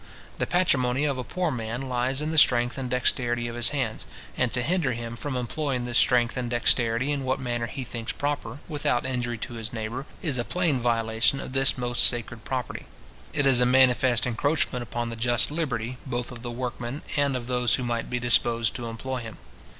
The patrimony of a poor man lies in the strength and dexterity of his hands; and to hinder him from employing this strength and dexterity in what manner he thinks proper, without injury to his neighbour, is a plain violation of this most sacred property. It is a manifest encroachment upon the just liberty, both of the workman, and of those who might be disposed to employ him.